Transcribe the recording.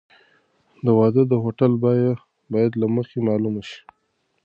د واده د هوټل بیه باید له مخکې معلومه شي.